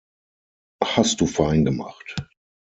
Hast du fein gemacht!